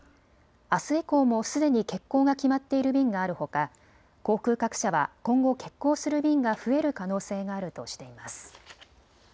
あす以降もすでに欠航が決まっている便があるほか航空各社は今後、欠航する便が増える可能性があるとしています。